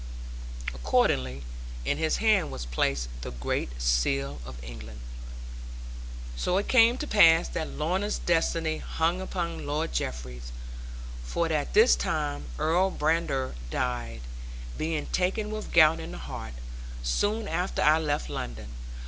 Accordingly in his hand was placed the Great Seal of England. So it came to pass that Lorna's destiny hung upon Lord Jeffreys; for at this time Earl Brandir died, being taken with gout in the heart, soon after I left London.